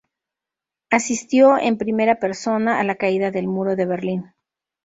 Asistió en primera persona a la Caída del Muro de Berlín.